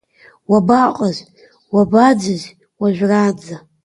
Уабаҟаз, уабаӡыз уажәраанӡа?